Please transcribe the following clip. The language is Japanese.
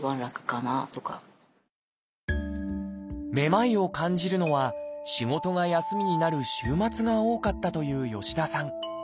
めまいを感じるのは仕事が休みになる週末が多かったという吉田さん。